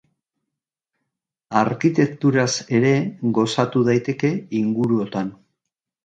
Arkitekturaz ere gozatu daiteke inguruotan.